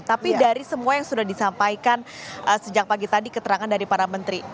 tapi dari semua yang sudah disampaikan sejak pagi tadi keterangan dari para menteri